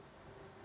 terima kasih pak